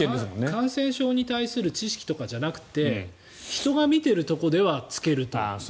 感染症に対する知識とかじゃなくて人が見ているところでは着けると。